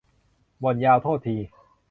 บ่นยาว โทษที